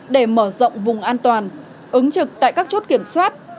để mở rộng vùng an toàn ứng trực tại các chốt kiểm soát